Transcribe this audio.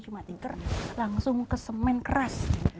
cuma tinker langsung ke semen keras